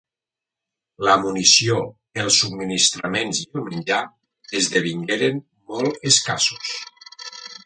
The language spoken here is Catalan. La munició, els subministraments i el menjà esdevingueren molt escassos.